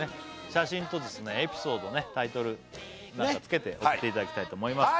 写真とエピソードタイトルなんかつけて送っていただきたいと思います